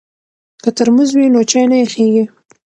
که ترموز وي نو چای نه یخیږي.